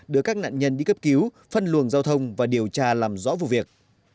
đưa các nạn nhân đi cấp cứu phân luồng giao thông và điều tra làm rõ vụ việc